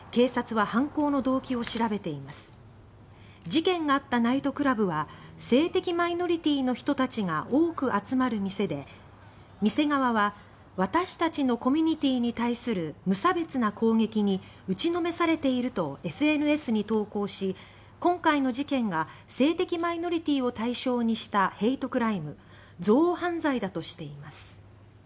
事件があったナイトクラブは性的マイノリティーの人たちが多く集まる店で店側は「私たちのコミュニティーに対する無差別な攻撃に打ちのめされている」とＳＮＳに投稿し、今回の事件が性的マイノリティーを対象にしたヘイトクライム・憎悪犯罪だとしています。